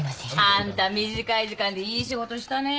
あんた短い時間でいい仕事したね。